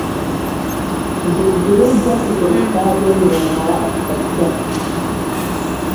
Дугдуруй да сутуруктаа диэн мээнэҕэ эппэттэр